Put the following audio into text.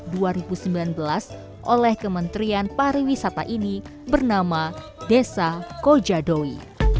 award dua ribu sembilan belas oleh kementerian pariwisata ini bernama desa kojadoi